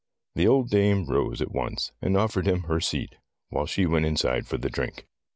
The old dame rose at once, and offered him her seat, while she went inside for the drink.